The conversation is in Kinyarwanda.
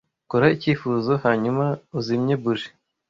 Kora icyifuzo hanyuma uzimye buji.